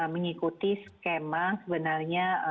mengikuti skema sebenarnya